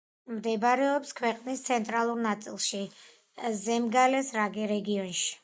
მდებარეობს ქვეყნის ცენტრალურ ნაწილში, ზემგალეს რეგიონში.